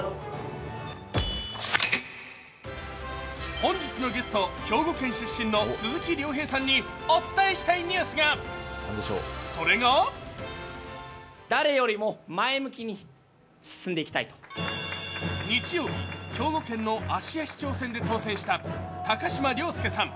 本日のゲスト、兵庫県出身の鈴木亮平さんにお伝えしたいニュースが、それが日曜日、兵庫県の芦屋市長選で当選した高島崚輔さん。